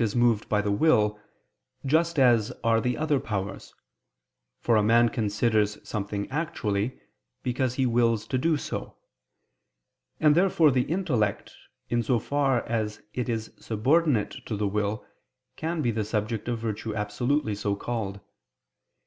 Now it happens that the intellect is moved by the will, just as are the other powers: for a man considers something actually, because he wills to do so. And therefore the intellect, in so far as it is subordinate to the will, can be the subject of virtue absolutely so called.